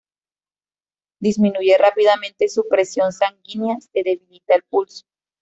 Disminuye rápidamente su presión sanguínea, se debilita el pulso.